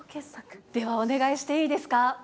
ではお願いしていいですか？